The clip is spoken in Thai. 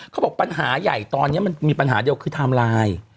เขาบอกปัญหาใหญ่ตอนนี้มันมีปัญหาเดียวคือไทม์ไลน์